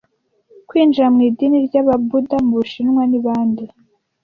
Kwinjira mu idini ry'Ababuda mu Bushinwa ni bande